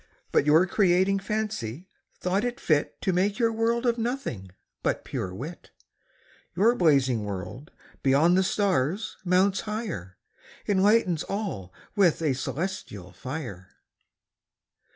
But your Creating Fancy, thought it fit To make your World of Nothing, but pure Wit. Your Blazing World, beyond the Stars mounts higher, Enlightens all with a Cœlestial Fier. William Newcastle.